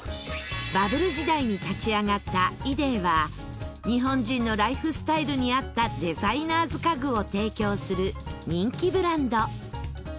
バブル時代に立ち上がったＩＤＥは日本人のライフスタイルに合ったデザイナーズ家具を提供する人気ブランド。